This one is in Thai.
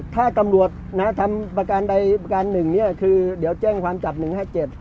ถ้าตำรวจนะทำประการใดประการหนึ่งเนี่ยคือเดี๋ยวแจ้งความจับหนึ่งห้าเจ็ด